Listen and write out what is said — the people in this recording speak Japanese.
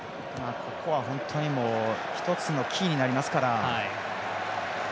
ここは本当に一つのキーになりますから。